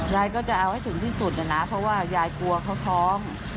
ยายก็จะเอาให้ถึงที่สุดนะเพราะว่ายายกลัวเขาท้อง